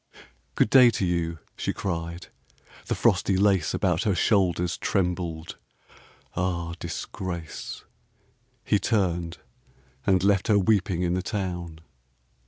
"Good day to you," she cried, the frosty lace About her shoulders trembled. Ah disgrace! He turned, and left her weeping in the town.